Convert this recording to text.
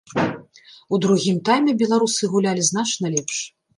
У другім тайме беларусы гулялі значна лепш.